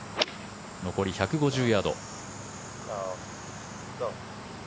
残り１５０ヤード。